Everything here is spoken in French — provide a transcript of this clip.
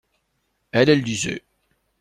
Elle, elle lisait.